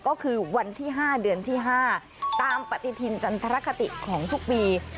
ก็คือวันที่๕เดือนที่๕ตามปฏิทินจันทรคติของทุกปี